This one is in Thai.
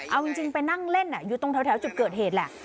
เอาจริงไปนั่งเล่นอยู่ตรงแถวจุดเกิดเหตุแหละ